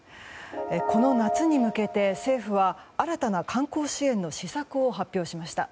この夏に向けて、政府は新たな観光支援の施策を発表しました。